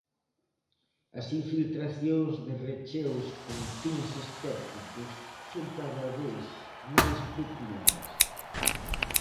As infiltracións de recheos con fins estéticos son cada vez máis populares.